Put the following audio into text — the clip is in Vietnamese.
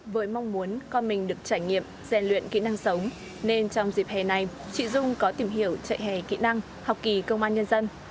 với mong muốn con mình được trải nghiệm gian luyện kỹ năng sống nên trong dịp hè này chị dung có tìm hiểu trại hè kỹ năng học kỳ công an nhân dân